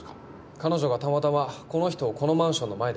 彼女がたまたまこの人をこのマンションの前で見掛けたって。